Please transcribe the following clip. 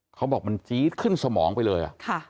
เขาบอกมันจี๊ดขึ้นสมองไปเลย